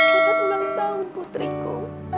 selamat ulang tahun putriku